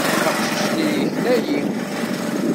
Aqcic-nni yekna-iyi.